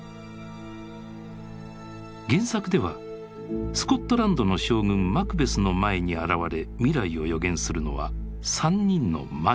原作ではスコットランドの将軍マクベスの前に現れ未来を予言するのは３人の魔女。